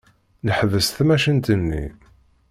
Neḥbes tamacint-nni.